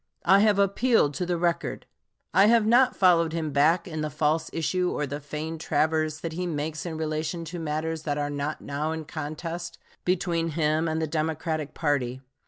I have appealed to the record. I have not followed him back in the false issue or the feigned traverse that he makes in relation to matters that are not now in contest between him and the Democratic party.